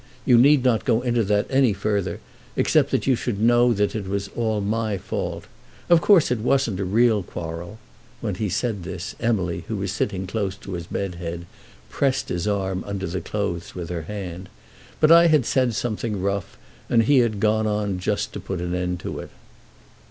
You need not go into that any further, except that you should know that it was all my fault. Of course it wasn't a real quarrel," when he said this Emily, who was sitting close to his bed head, pressed his arm under the clothes with her hand, "but I had said something rough, and he had gone on just to put an end to it."